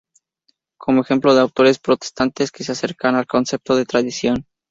Como ejemplo de autores protestantes que se acercan al concepto de Tradición cfr.